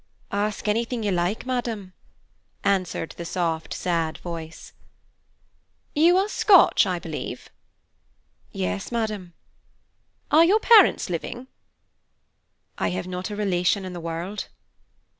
"Ask anything you like, madam," answered the soft, sad voice. "You are Scotch, I believe." "Yes, madam." "Are your parents living?" "I have not a relation in the world."